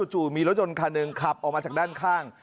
จู่มีรถยนต์คันหนึ่งขับออกมาจากด้านข้าง